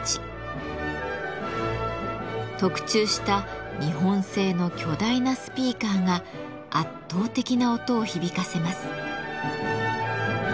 特注した日本製の巨大なスピーカーが圧倒的な音を響かせます。